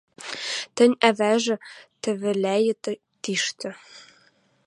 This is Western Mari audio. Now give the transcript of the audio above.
«Тӹнь, ӓвӓжӹ, тӹвӹлӓйӹ тиштӹ